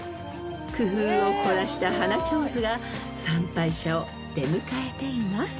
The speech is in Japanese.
［工夫を凝らした花手水が参拝者を出迎えています］